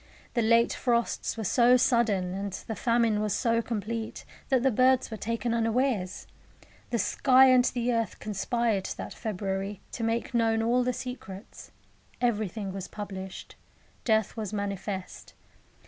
The late frosts were so sudden, and the famine was so complete, that the birds were taken unawares. The sky and the earth conspired that February to make known all the secrets; everything was published. Death was manifest.